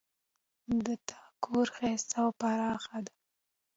د تا کور ښایسته او پراخ ده